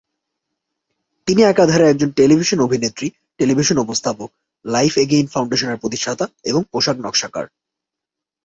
তিনি একাধারে একজন টেলিভিশন অভিনেত্রী, টেলিভিশন উপস্থাপক, লাইফ অ্যাগেইন ফাউন্ডেশনের প্রতিষ্ঠাতা এবং পোশাক নকশাকার।